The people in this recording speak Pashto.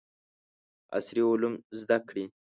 عصري علوم زده کړي.